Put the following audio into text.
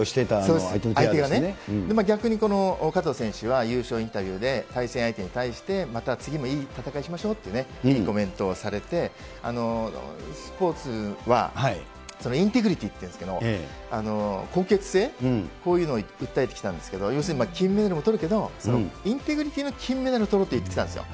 そうね、逆に加藤選手は優勝インタビューで対戦相手に対して、また次もいい戦いしましょうってコメントをされて、スポーツはインテグリティっていうんですけど、高潔性、こういうのを訴えてきたんですけど、要するに金メダルとるけど、インテグリティの金メダルとるっていってきたんですよ。